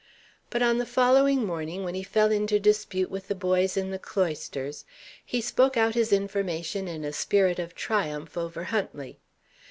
But on the following morning, when he fell into dispute with the boys in the cloisters, he spoke out his information in a spirit of triumph over Huntley.